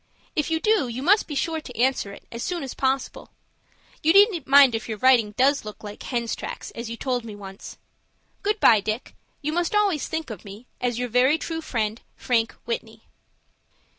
If you do, you must be sure to answer it, as soon as possible. You needn't mind if your writing does look like 'hens tracks,' as you told me once. "Good by, Dick. You must always think of me, as your very true friend, "FRANK WHITNEY."